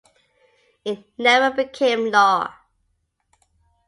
It never became law.